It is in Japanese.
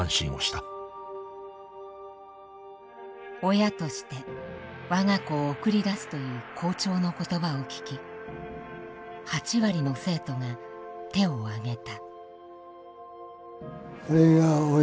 親として我が子を送り出すという校長の言葉を聞き８割の生徒が手を挙げた。